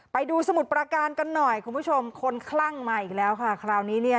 ไปดูสมุทรประการกันหน่อยคุณผู้ชมคนคลั่งมาอีกแล้วค่ะคราวนี้เนี่ย